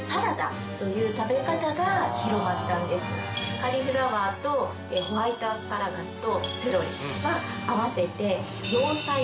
「カリフラワーとホワイトアスパラガスとセロリは合わせて」